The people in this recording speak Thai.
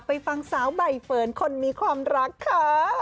ฟังสาวใบเฟิร์นคนมีความรักค่ะ